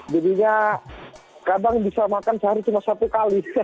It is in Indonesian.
jadinya kadang bisa makan sehari cuma satu kali